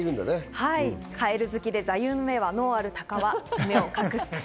カエル好きで、座右の銘は、能ある鷹は爪を隠す。